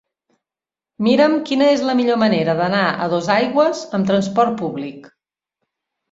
Mira'm quina és la millor manera d'anar a Dosaigües amb transport públic.